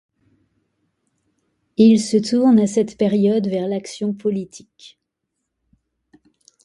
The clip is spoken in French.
Il se tourne à cette période vers l'action politique.